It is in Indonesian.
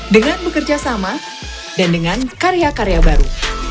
dengan bekerja sama dan dengan karya karya baru